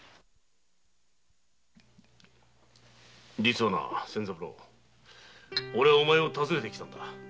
実は俺はお前を訪ねてきたんだ。